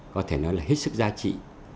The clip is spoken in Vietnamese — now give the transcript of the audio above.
có thể nói là hết sức giá trị